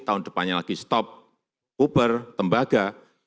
tahun depannya lagi stop uber tembaga